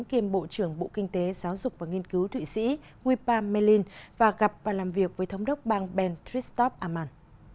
kiêm bộ trưởng bộ kinh tế giáo dục và nghiên cứu thụy sĩ nguyên pa mê linh và gặp và làm việc với thống đốc bang ben tristop amman